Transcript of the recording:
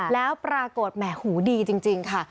แล้วปรากฏแหมหูดีจริงค่ะ